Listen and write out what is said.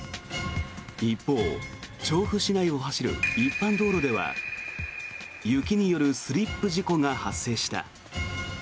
一方、調布市内を走る一般道路では雪によるスリップ事故が発生した。